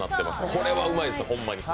これはうまいです、ホンマに。